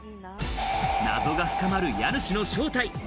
謎が深まる家主の正体。